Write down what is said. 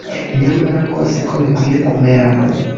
nyarama ngo si ko bikwiye kumera